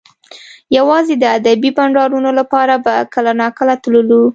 یوازې د ادبي بنډارونو لپاره به کله ناکله تللو